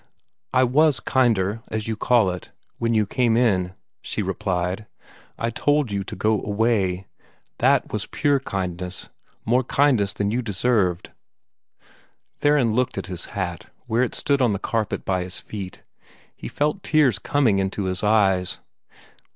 "I was kinder, as you call it, when you came in," she replied. "I told you to go away. That was pure kindness more kindness than you deserved." Theron looked at his hat, where it stood on the carpet by his feet. He felt tears coming into his eyes.